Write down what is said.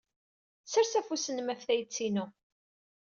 Ssers afus-nnem ɣef tayet-inu.